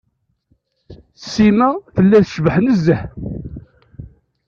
Sima tella tecbeḥ nezzeh.